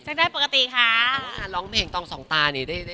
จะได้ปกติค่ะ